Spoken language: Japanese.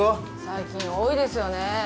最近多いですよねぇ。